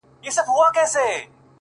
زه يم دا مه وايه چي تا وړي څوك؛